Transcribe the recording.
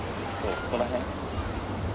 ここら辺。